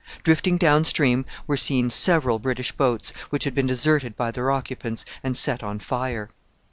Drifting down stream were seen several British boats, which had been deserted by their occupants and set on fire.